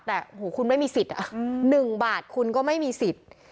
แต่หูคุณไม่มีสิทธิ์อ่ะหนึ่งบาทคุณก็ไม่มีสิทธิ์